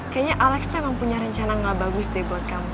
kayaknya alex tuh emang punya rencana nggak bagus deh buat kamu